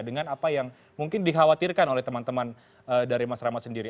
dengan apa yang mungkin dikhawatirkan oleh teman teman dari mas rahmat sendiri